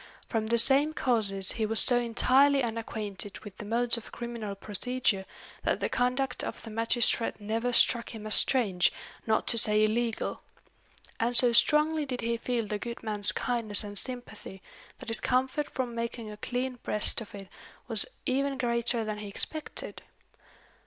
From the same causes he was so entirely unacquainted with the modes of criminal procedure, that the conduct of the magistrate never struck him as strange, not to say illegal. And so strongly did he feel the good man's kindness and sympathy, that his comfort from making a clean breast of it was even greater than he expected.